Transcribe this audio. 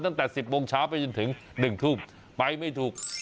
ตั้งแต่๑๐โมงเช้าไปจนถึง๑ทุ่มไปไม่ถูก